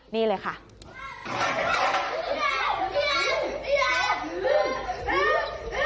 นี่เลยค่ะ